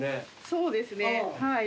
そうですねはい。